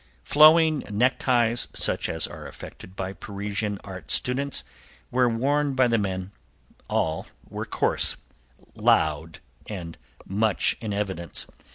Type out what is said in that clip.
Flowing neckties such as are affected by Parisian art students were worn by the men; all were coarse, loud and much in evidence.